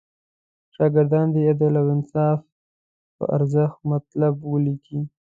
شاګردان دې د عدل او انصاف پر ارزښت مطلب ولیکي.